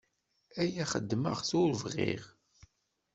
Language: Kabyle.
Aya xedmeɣ-t ur bɣiɣ.